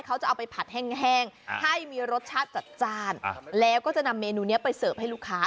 เขาจะเอาไปผัดแห้งให้มีรสชาติจัดจ้านแล้วก็จะนำเมนูนี้ไปเสิร์ฟให้ลูกค้า